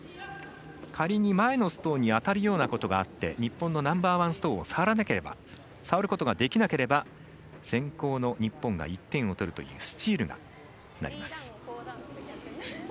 仮に前のストーンに当たるようなことがあって日本のナンバーワンストーンを触ることができなければ先攻の日本が１点を取るというスチールになります。